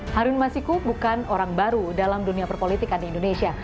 harun masiku bukan orang baru dalam dunia perpolitikan di indonesia